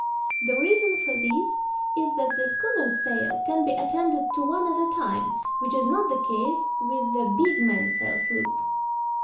The reason for this is that the schooner's sails can be attended to one at a time, which is not the case with the big mainsail sloop.